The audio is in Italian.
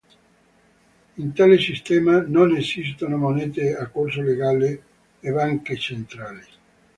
In tale sistema non esistono monete a corso legale e banche centrali.